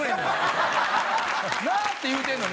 「なあ」って言うてるのに。